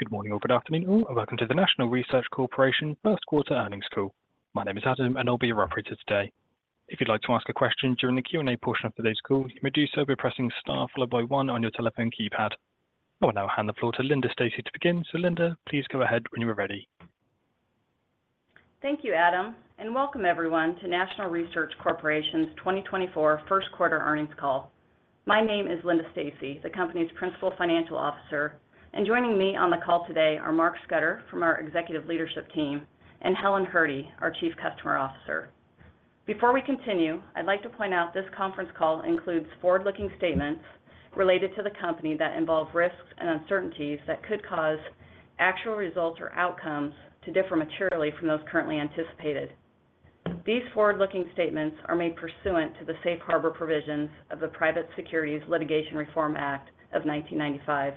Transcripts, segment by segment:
Good morning or good afternoon, all, and welcome to the National Research Corporation first quarter earnings call. My name is Adam and I'll be your operator today. If you'd like to ask a question during the Q&A portion of today's call, you may do so by pressing star followed by one on your telephone keypad. I will now hand the floor to Linda Stacy to begin, so Linda, please go ahead when you are ready. Thank you, Adam, and welcome everyone to National Research Corporation's 2024 first quarter earnings call. My name is Linda Stacy, the company's Principal Financial Officer, and joining me on the call today are Mark Scudder from our executive leadership team and Helen Hrdy, our Chief Customer Officer. Before we continue, I'd like to point out this conference call includes forward-looking statements related to the company that involve risks and uncertainties that could cause actual results or outcomes to differ materially from those currently anticipated. These forward-looking statements are made pursuant to the Safe Harbor provisions of the Private Securities Litigation Reform Act of 1995.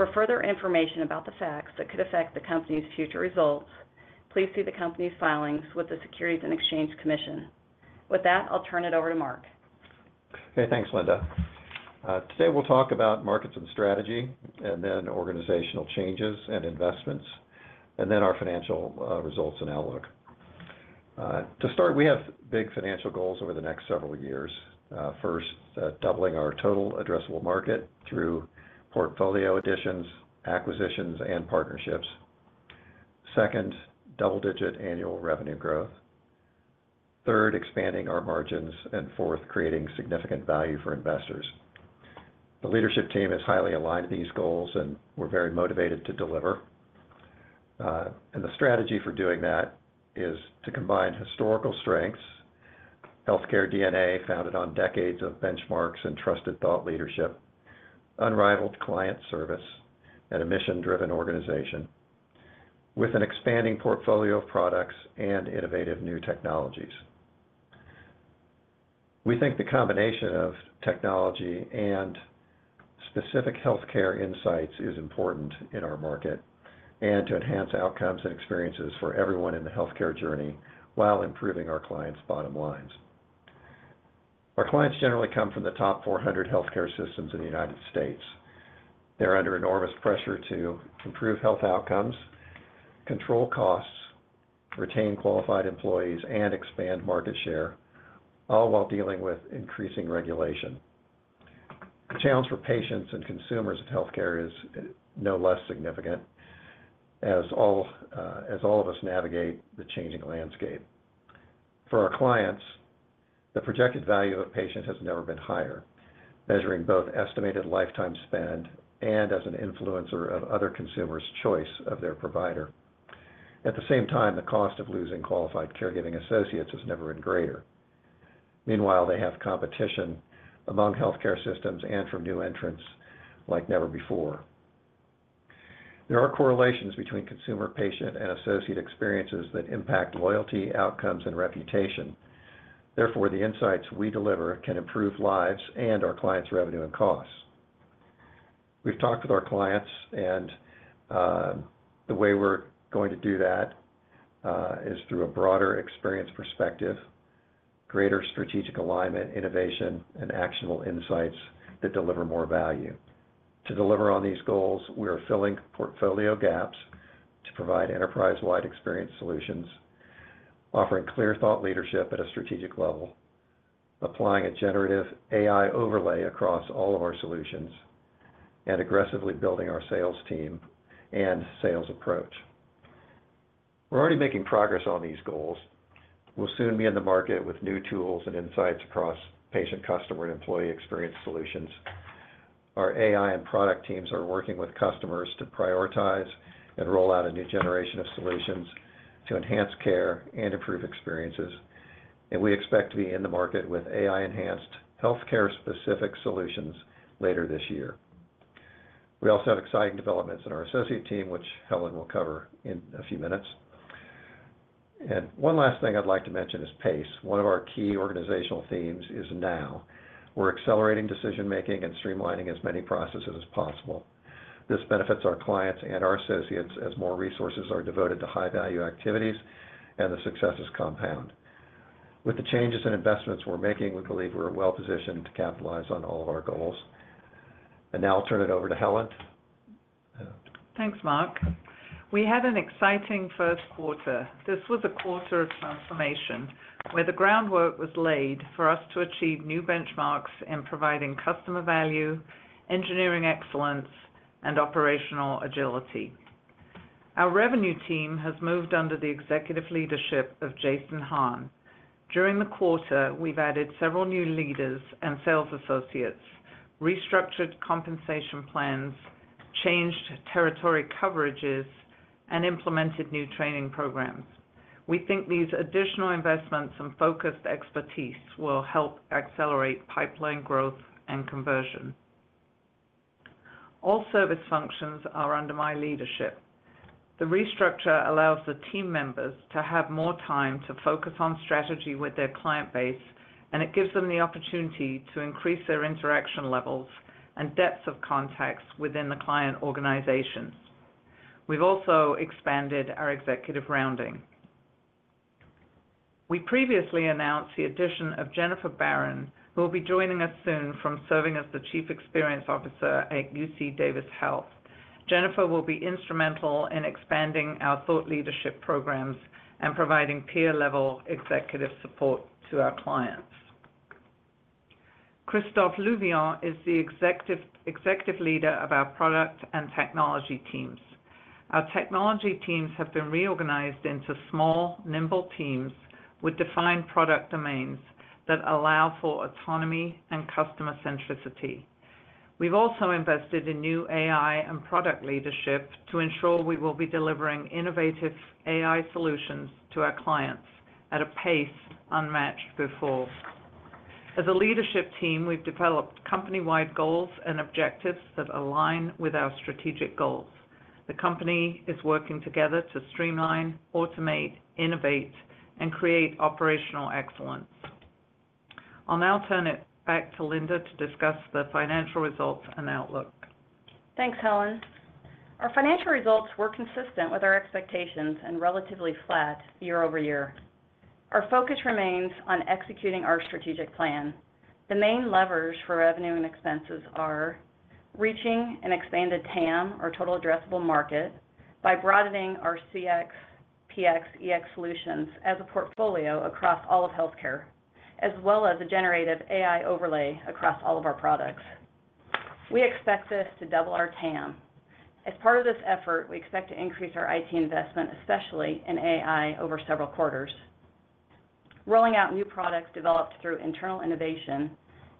For further information about the facts that could affect the company's future results, please see the company's filings with the Securities and Exchange Commission. With that, I'll turn it over to Mark. Hey, thanks, Linda. Today we'll talk about markets and strategy, and then organizational changes and investments, and then our financial results and outlook. To start, we have big financial goals over the next several years. First, doubling our total addressable market through portfolio additions, acquisitions, and partnerships. Second, double-digit annual revenue growth. Third, expanding our margins. Fourth, creating significant value for investors. The leadership team is highly aligned to these goals, and we're very motivated to deliver. The strategy for doing that is to combine historical strengths - healthcare DNA founded on decades of benchmarks and trusted thought leadership, unrivaled client service, and a mission-driven organization - with an expanding portfolio of products and innovative new technologies. We think the combination of technology and specific healthcare insights is important in our market and to enhance outcomes and experiences for everyone in the healthcare journey while improving our clients' bottom lines. Our clients generally come from the top 400 healthcare systems in the United States. They're under enormous pressure to improve health outcomes, control costs, retain qualified employees, and expand market share, all while dealing with increasing regulation. The challenge for patients and consumers of healthcare is no less significant as all of us navigate the changing landscape. For our clients, the projected value of a patient has never been higher, measuring both estimated lifetime spend and as an influencer of other consumers' choice of their provider. At the same time, the cost of losing qualified caregiving associates has never been greater. Meanwhile, they have competition among healthcare systems and from new entrants like never before. There are correlations between consumer, patient, and associate experiences that impact loyalty, outcomes, and reputation. Therefore, the insights we deliver can improve lives and our clients' revenue and costs. We've talked with our clients, and the way we're going to do that is through a broader experience perspective, greater strategic alignment, innovation, and actionable insights that deliver more value. To deliver on these goals, we are filling portfolio gaps to provide enterprise-wide experience solutions, offering clear thought leadership at a strategic level, applying a Generative AI overlay across all of our solutions, and aggressively building our sales team and sales approach. We're already making progress on these goals. We'll soon be in the market with new tools and insights across patient, customer, and employee experience solutions. Our AI and product teams are working with customers to prioritize and roll out a new generation of solutions to enhance care and improve experiences, and we expect to be in the market with AI-enhanced healthcare-specific solutions later this year. We also have exciting developments in our associate team, which Helen will cover in a few minutes. And one last thing I'd like to mention is pace. One of our key organizational themes is now. We're accelerating decision-making and streamlining as many processes as possible. This benefits our clients and our associates as more resources are devoted to high-value activities, and the successes compound. With the changes and investments we're making, we believe we're well-positioned to capitalize on all of our goals. And now I'll turn it over to Helen. Thanks, Mark. We had an exciting first quarter. This was a quarter of transformation where the groundwork was laid for us to achieve new benchmarks in providing customer value, engineering excellence, and operational agility. Our revenue team has moved under the executive leadership of Jason Hahn. During the quarter, we've added several new leaders and sales associates, restructured compensation plans, changed territory coverages, and implemented new training programs. We think these additional investments and focused expertise will help accelerate pipeline growth and conversion. All service functions are under my leadership. The restructure allows the team members to have more time to focus on strategy with their client base, and it gives them the opportunity to increase their interaction levels and depths of contacts within the client organizations. We've also expanded our executive rounding. We previously announced the addition of Jennifer Baron, who will be joining us soon from serving as the Chief Experience Officer at UC Davis Health. Jennifer will be instrumental in expanding our thought leadership programs and providing peer-level executive support to our clients. Christophe Louvion is the executive leader of our product and technology teams. Our technology teams have been reorganized into small, nimble teams with defined product domains that allow for autonomy and customer centricity. We've also invested in new AI and product leadership to ensure we will be delivering innovative AI solutions to our clients at a pace unmatched before. As a leadership team, we've developed company-wide goals and objectives that align with our strategic goals. The company is working together to streamline, automate, innovate, and create operational excellence. I'll now turn it back to Linda to discuss the financial results and outlook. Thanks, Helen. Our financial results were consistent with our expectations and relatively flat year-over-year. Our focus remains on executing our strategic plan. The main levers for revenue and expenses are reaching an expanded TAM, or total addressable market, by broadening our CX, PX, EX solutions as a portfolio across all of healthcare, as well as a Generative AI overlay across all of our products. We expect this to double our TAM. As part of this effort, we expect to increase our IT investment, especially in AI, over several quarters. Rolling out new products developed through internal innovation,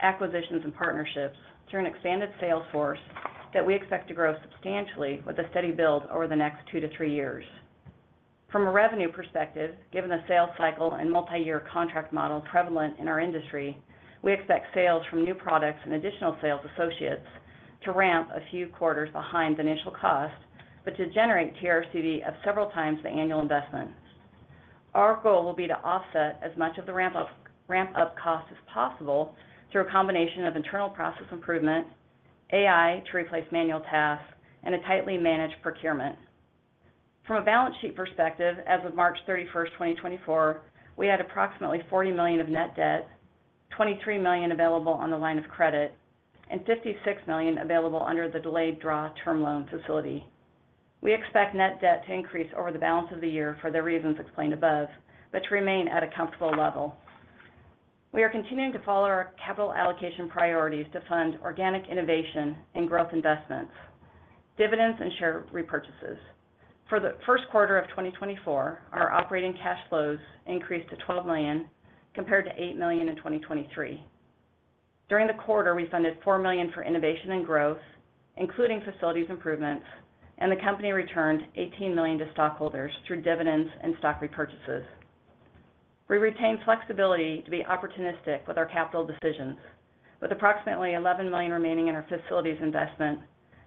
acquisitions, and partnerships through an expanded sales force that we expect to grow substantially with a steady build over the next two-three years. From a revenue perspective, given the sales cycle and multi-year contract model prevalent in our industry, we expect sales from new products and additional sales associates to ramp a few quarters behind initial cost but to generate TRCV of several times the annual investment. Our goal will be to offset as much of the ramp-up cost as possible through a combination of internal process improvement, AI to replace manual tasks, and a tightly managed procurement. From a balance sheet perspective, as of 31st March, 2024, we had approximately $40 million of net debt, $23 million available on the line of credit, and $56 million available under the delayed draw term loan facility. We expect net debt to increase over the balance of the year for the reasons explained above but to remain at a comfortable level. We are continuing to follow our capital allocation priorities to fund organic innovation and growth investments, dividends, and share repurchases. For the first quarter of 2024, our operating cash flows increased to $12 million compared to $8 million in 2023. During the quarter, we funded $4 million for innovation and growth, including facilities improvements, and the company returned $18 million to stockholders through dividends and stock repurchases. We retain flexibility to be opportunistic with our capital decisions. With approximately $11 million remaining in our facilities investment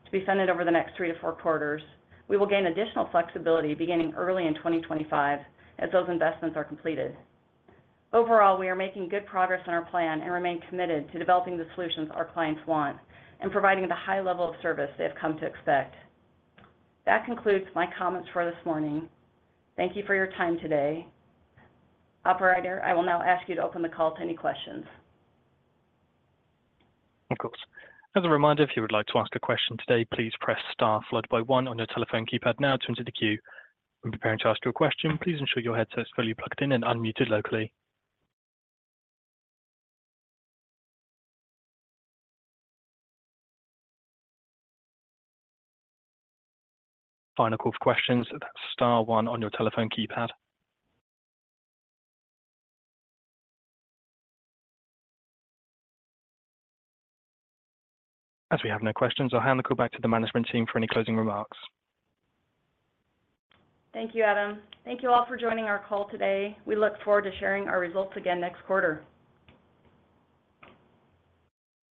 to be funded over the next three to four quarters, we will gain additional flexibility beginning early in 2025 as those investments are completed. Overall, we are making good progress on our plan and remain committed to developing the solutions our clients want and providing the high level of service they have come to expect. That concludes my comments for this morning. Thank you for your time today. Operator, I will now ask you to open the call to any questions. Of course. As a reminder, if you would like to ask a question today, please press star followed by one on your telephone keypad now to enter the queue. When preparing to ask your question, please ensure your headset's fully plugged in and unmuted locally. Final call for questions. That's star one on your telephone keypad. As we have no questions, I'll hand the call back to the management team for any closing remarks. Thank you, Adam. Thank you all for joining our call today. We look forward to sharing our results again next quarter.